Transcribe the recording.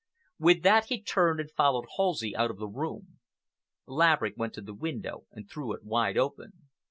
With that he turned and followed Halsey out of the room. Laverick went to the window and threw it wide open.